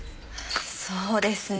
そうですね。